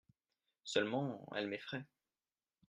Seulement elle m'effraye.